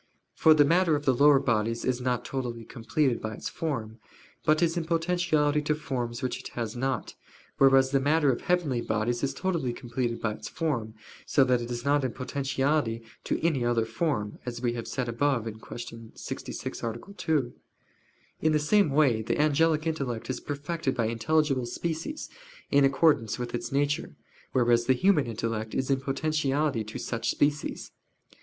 For the matter of the lower bodies is not totally completed by its form, but is in potentiality to forms which it has not: whereas the matter of heavenly bodies is totally completed by its form, so that it is not in potentiality to any other form, as we have said above (Q. 66, A. 2). In the same way the angelic intellect is perfected by intelligible species, in accordance with its nature; whereas the human intellect is in potentiality to such species.